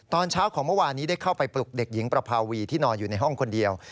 ตอนเช้าของเมื่อวานนี้ได้เข้าไปปลุกเด็กหญิงประภาวีที่นอนอยู่ในห้องคนเดียว